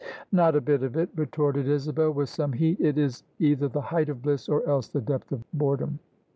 "Not a bit of It," retorted Isabel, with some heat: "it is either the height of bliss or else the depth of boredom.